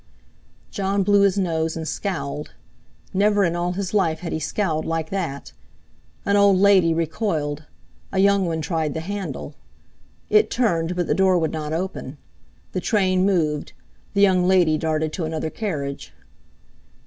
Jon blew his nose, and scowled; never in all his life had he scowled like that! An old lady recoiled, a young one tried the handle. It turned, but the door would not open. The train moved, the young lady darted to another carriage.